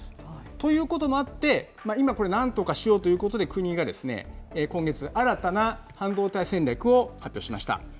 ということもあって、今これ、なんとかしようということで、国が今月、新たな半導体戦略を発表しました。